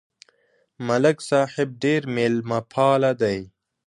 ملک صاحب ډېر مېلمهپاله دی.